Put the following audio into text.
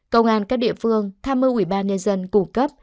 công an các địa phương tham mưu ủy ban nhân dân cung cấp